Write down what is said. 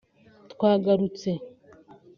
twagarutse